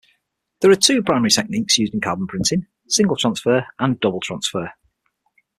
There are two primary techniques used in carbon printing: single transfer and double transfer.